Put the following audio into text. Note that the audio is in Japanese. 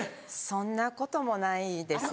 そんなこともないですね。